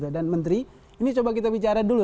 dan menteri ini coba kita bicara dulu